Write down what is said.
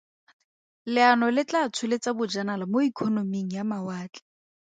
Leano le tla tsholetsa Bojanala mo ikonoming ya mawatle.